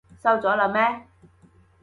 收咗喇咩？